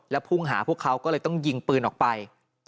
พุ่งหาพวกเขาก็เลยต้องยิงปืนออกไป